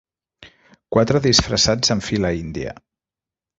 Quatre disfressats en fila índia.